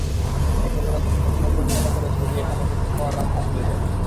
এতে করে অন্য পরিচালকের ছবিও সেখানে মুক্তি পাওয়ার রাস্তা খুলে যাবে।